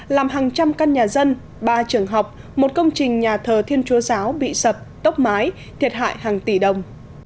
làm hàng trăm căn nhà dân ba trường học một công trình nhà thờ thiên chúa giáo bị sập tốc mái thiệt hại hàng tỷ đồng